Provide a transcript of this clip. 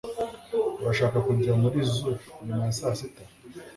urashaka kujya muri zoo nyuma ya saa sita